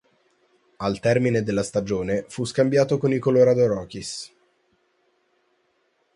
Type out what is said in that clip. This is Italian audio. Al termine della stagione fu scambiato con i Colorado Rockies.